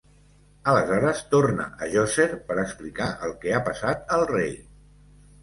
Aleshores, torna a Djoser per explicar el que ha passat al rei.